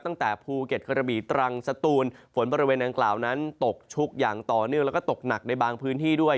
ตั้งแต่ภูเก็ตกระบีตรังสตูนฝนบริเวณดังกล่าวนั้นตกชุกอย่างต่อเนื่องแล้วก็ตกหนักในบางพื้นที่ด้วย